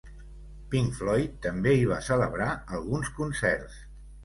Pink Floyd també hi va celebrar alguns concerts.